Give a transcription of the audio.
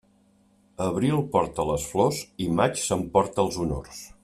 Abril porta les flors i maig s'emporta els honors.